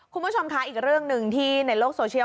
คุณผู้ชมคะอีกเรื่องหนึ่งที่ในโลกโซเชียล